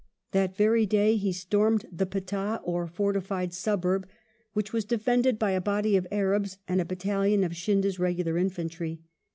That very day Jie stormed the petkJi, or fortified suburb, which was defended by a body of Arabs and a battalion of Seindia's regular infantry.